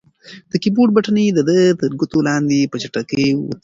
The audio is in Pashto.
د کیبورډ بټنې د ده تر ګوتو لاندې په چټکۍ وتړکېدې.